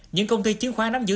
những công ty chiến khoán nắm giữ